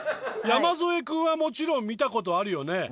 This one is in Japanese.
山添君はもちろん見たことあるよね？